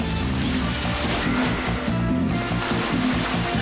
あ！